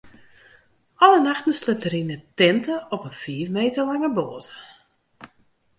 Alle nachten sliept er yn in tinte op in fiif meter lange boat.